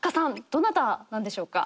どなたなんでしょうか？